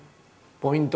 ポイント